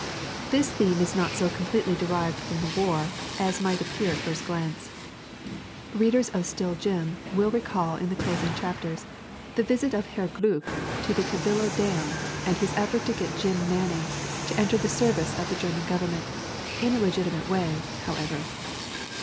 This theme is not so completely derived from the war as might appear at first glance. Readers of Still Jim will recall in the closing chapters the visit of Herr Gluck to the Cabillo dam and his 342 HONORE WILLSIE 343 effort to get Jim Manning to enter the service of the German Government in a legitimate way, however.